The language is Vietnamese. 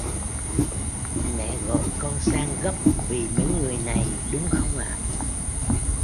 Mẹ gọi con sang gấp vì mấy người này đúng không ạ